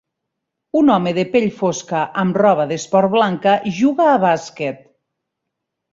Un home de pell fosca amb roba d'esport blanca juga a basquet.